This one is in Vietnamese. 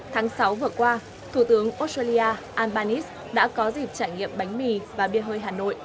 tháng sáu vừa qua thủ tướng australia albanese đã có dịp trải nghiệm bánh mì và bia hơi hà nội